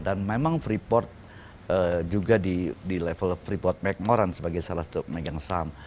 dan memang freeport juga di level freeport mcnoran sebagai salah satu megang saham